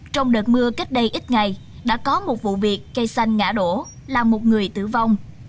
trong đợt mưa cách đây ít ngày đã có một vụ việc cây xanh ngã đổ làm một người tử vong